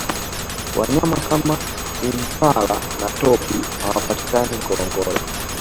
wanyama kama impala na topi hawapatikani ngorongoro